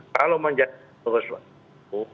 kalau menjadi pengurus politik